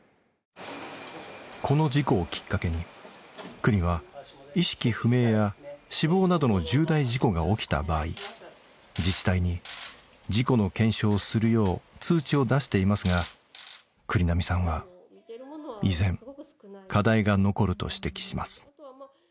この事故をきっかけに国は意識不明や死亡などの重大事故が起きた場合自治体に事故の検証をするよう通知を出していますが栗並さんは依然課題が残ると指摘します。